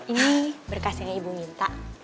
ini berkas yang ibu minta